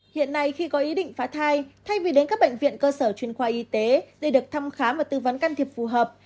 hiện nay khi có ý định phá thai thay vì đến các bệnh viện cơ sở chuyên khoa y tế để được thăm khám và tư vấn can thiệp phù hợp